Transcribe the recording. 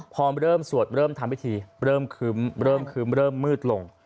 พอเริ่มสวดเริ่มทำพิธีเริ่มคึ้มเริ่มคึ้มเริ่มมืดลง